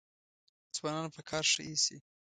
ځوانان په کار ښه ایسي.